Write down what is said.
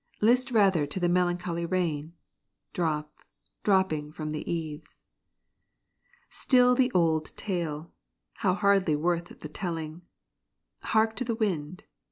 List rather to the melancholy rain, Drop dropping from the eaves. Still the old tale how hardly worth the telling! Hark to the wind!